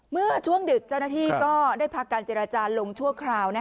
เมื่อช่วงดึกเจ้าหน้าที่ก็ได้พักการเจรจาลงชั่วคราว